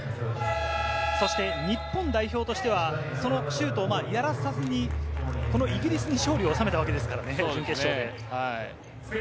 日本代表としては、そのシュートをやらさずに、このイギリスに勝利を収めたわけですからね、準決勝で。